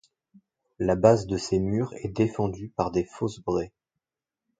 La base de ces murs est défendue par des fausses-braies.